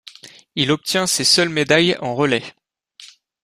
Il obtient ses seules médailles en relais.